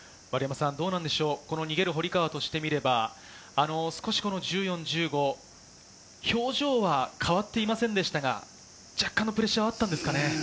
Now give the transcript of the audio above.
逃げる堀川としてみれば、少し１４、１５、表情は変わっていませんでしたが、若干のプレッシャーはあったんですかね？